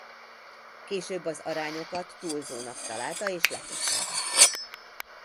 Később az arányokat túlzónak találta és lecsökkentette.